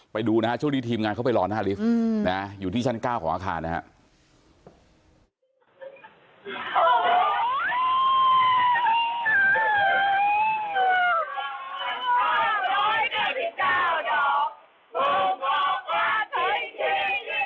ไปดูนะฮะช่วงนี้ทีมงานเขาไปรอหน้าลิฟท์อยู่ที่ชั้น๙ของอาคารนะครับ